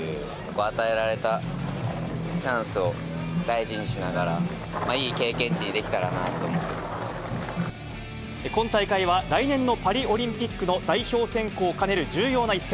与えられたチャンスを大事にしながら、いい経験値にできたらなと今大会は、来年のパリオリンピックの代表選考を兼ねる重要な一戦。